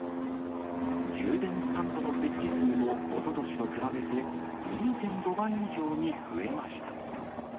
充電スタンドの設置数も、おととしと比べて２．５倍以上に増えました。